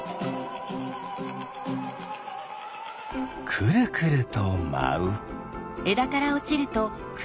くるくるとまう。